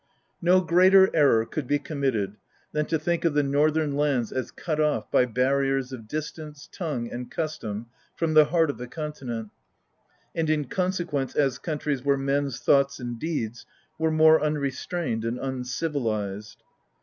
No greater error could be committed than to think of the Northern lands as cut ofFby barriers of distance, tongue, and custom from the heart of the Continent, and in consequence as countries where men's thoughts and deeds were more un restrained and uncivilized.